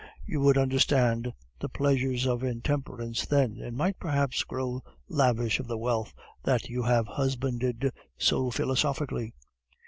You would understand the pleasures of intemperance then, and might perhaps grow lavish of the wealth that you have husbanded so philosophically."